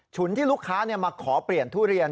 ฉุนที่ลูกค้ามาขอเปลี่ยนทุเรียน